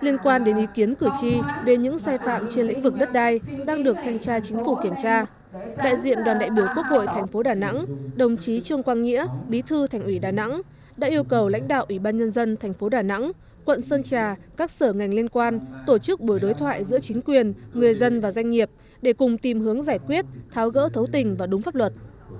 liên quan đến ý kiến cử tri về những xe phạm trên lĩnh vực đất đai đang được thanh tra chính phủ kiểm tra đại diện đoàn đại biểu quốc hội thành phố đà nẵng đồng chí trương quang nghĩa bí thư thành ủy đà nẵng đã yêu cầu lãnh đạo ủy ban nhân dân thành phố đà nẵng quận sơn trà các sở ngành liên quan tổ chức buổi đối thoại giữa chính quyền người dân và doanh nghiệp để cùng tìm hướng giải quyết tháo gỡ thấu tình và đúng pháp luật